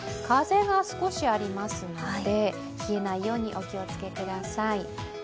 風が少しありますので、冷えないようにお気を付けください。